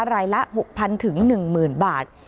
รายละ๖๐๐๐ถึง๑๐๐๐๐บาท